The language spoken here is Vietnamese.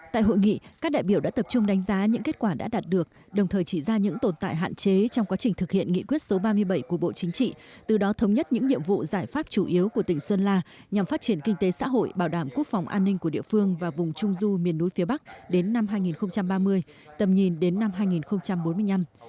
tại hội nghị các đại biểu đã tập trung đánh giá những kết quả đã đạt được đồng thời chỉ ra những tồn tại hạn chế trong quá trình thực hiện nghị quyết số ba mươi bảy của bộ chính trị từ đó thống nhất những nhiệm vụ giải pháp chủ yếu của tỉnh sơn la nhằm phát triển kinh tế xã hội bảo đảm quốc phòng an ninh của địa phương và vùng trung du miền núi phía bắc đến năm hai nghìn ba mươi tầm nhìn đến năm hai nghìn bốn mươi năm